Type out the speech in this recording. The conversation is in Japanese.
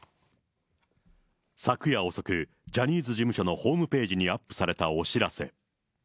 昨夜遅く、ジャニーズ事務所のホームページにアップされたお知らせ。